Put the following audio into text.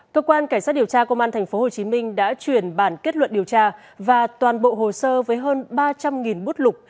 cơ quan cảnh sát điều tra công an tp hcm đã chuyển bản kết luận điều tra và toàn bộ hồ sơ với hơn ba trăm linh bút lục